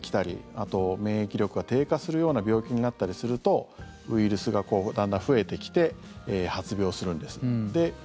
あと、免疫力が低下するような病気になったりするとウイルスがだんだん増えてきて発病するんです。